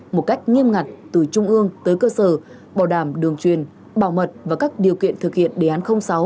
một cách nghiêm ngặt từ trung ương tới cơ sở bảo đảm đường truyền bảo mật và các điều kiện thực hiện đề án sáu